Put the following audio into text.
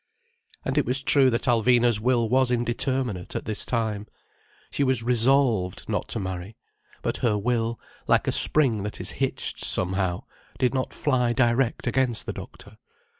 And it was true that Alvina's will was indeterminate, at this time. She was resolved not to marry. But her will, like a spring that is hitched somehow, did not fly direct against the doctor.